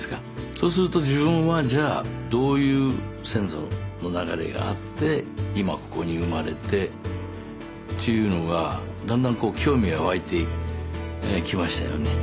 そうすると自分はじゃあどういう先祖の流れがあって今ここに生まれてっていうのがだんだん興味が湧いてきましたよね。